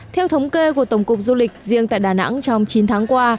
theo thống kê của tổng cục du lịch riêng tại đà nẵng trong chín tháng qua